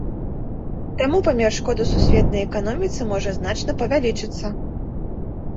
Таму памер шкоды сусветнай эканоміцы можа значна павялічыцца.